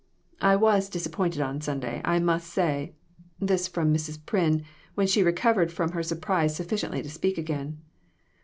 "I was disappointed on Sunday, I must say" this from Mrs. Pryn, when she recovered from her surprise sufficiently to speak again.